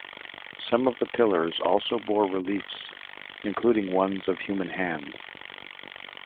Some of the pillars also bore reliefs, including ones of human hands.